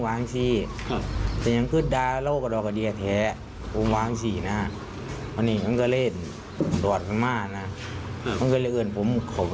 บางทีมาก็เลยขี่รถมาจอดหอบ้านผม